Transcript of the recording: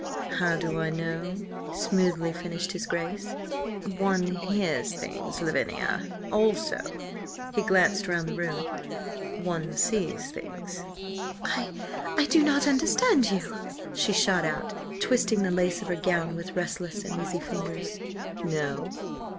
"How do I know?" smoothly finished his Grace "One hears things, Lavinia. Also—" he glanced round the room, "one sees things." "I–I don't understand you!" she shot out, twisting the lace of her gown with restless, uneasy fingers. "No?